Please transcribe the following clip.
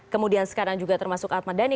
kemudian sekarang juga termasuk ahmad dhani